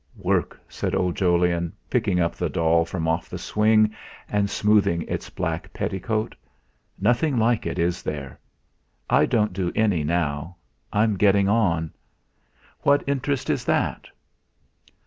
"Work!" said old Jolyon, picking up the doll from off the swing, and smoothing its black petticoat. "Nothing like it, is there? I don't do any now. I'm getting on. What interest is that?"